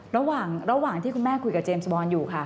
ระหว่างที่คุณแม่คุยกับเจมส์บอลอยู่ค่ะ